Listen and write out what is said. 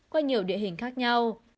qua nhiều địa hình khác nhau